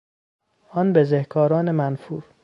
آن بزهکاران منفور